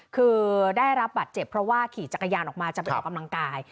คือได้รับบัตรเจ็บเพราะว่าขี่จักรยานออกมาจะไปออกกำลังกาย